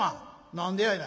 「何でやいな？」。